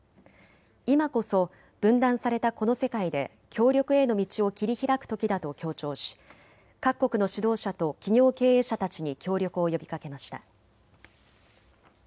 今こそ分断されたこの世界で協力への道を切り開くときだと強調し各国の指導者と企業経営者たちに協力を呼びかけました。